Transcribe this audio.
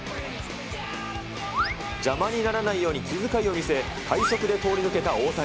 邪魔にならないように気遣いを見せ、快足で通り抜けた大谷。